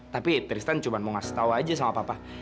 tapi tristan cuma mau ngasih tau aja sama papa